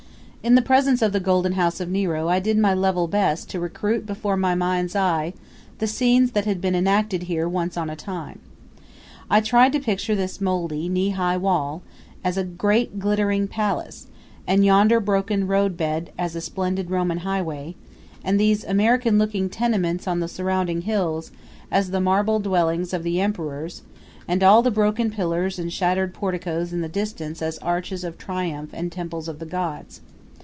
In the presence of the Golden House of Nero I did my level best to recreate before my mind's eye the scenes that had been enacted here once on a time. I tried to picture this moldy, knee high wall, as a great glittering palace; and yonder broken roadbed as a splendid Roman highway; and these American looking tenements on the surrounding hills as the marble dwellings of the emperors; and all the broken pillars and shattered porticoes in the distance as arches of triumph and temples of the gods.